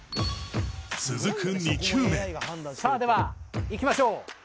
［続く２球目］ではいきましょう。